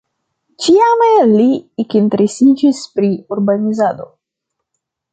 Tiame li ekinteresiĝis pri urbanizado.